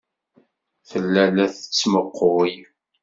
Tella la ken-tettmuqqul.